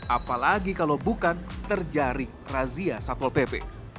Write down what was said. apalagi kalau bukan terjaring razia satpol pp